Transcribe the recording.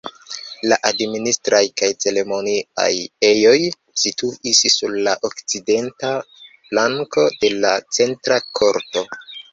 La administraj kaj ceremoniaj ejoj situis sur la okcidenta flanko de la centra korto.